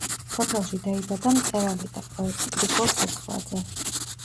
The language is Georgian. სოფელში დაიბადა მწერალი და პოეტი გრიგოლ ცეცხლაძე.